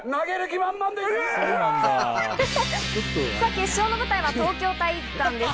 決勝の舞台は東京体育館です。